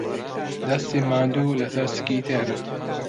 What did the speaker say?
دەستی ماندوو لەسەر زگی تێرە.